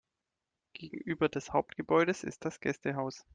Gegenüber des Hauptgebäudes ist das Gästehaus.